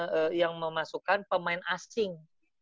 yang akhirnya yang memasukkan pemain asing